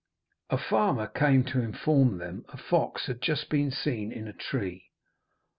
A farmer came to inform them a fox had just been seen in a tree.